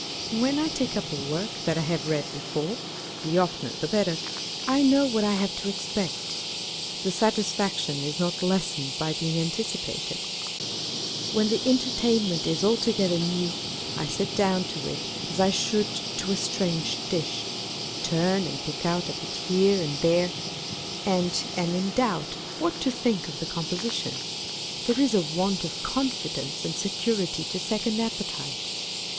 When I take up a work that I have read before (the oftener the better) I know what I have to expect. The satisfaction is not lessened by being anticipated. "V\ hen the entertainment is altogether new, I sit down to it as I should to a strange dish, â€" turn and pick out a bit here 1 A rather well known publisher or stationer in London. â€" ED. 310 On Beading Old Books. and there, and am in doubt what to think of the com position. There is a want of confidence and security to second appetite.